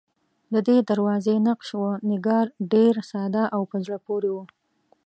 ددې دروازې نقش و نگار ډېر ساده او په زړه پورې و.